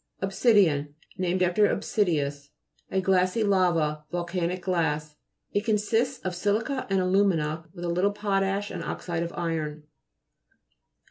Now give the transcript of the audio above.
OBSI'DIAN Named after Obsidius. A glassy lava. Volcanic glass. It consists of si'lica and alu'mina with a little potash and oxide of iron.